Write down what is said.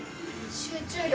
集中力。